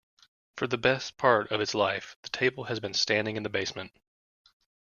For the best part of its life, the table has been standing in the basement.